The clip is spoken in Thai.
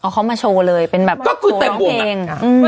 เขามาโชว์เลยเป็นแบบก็คือร้องเพลง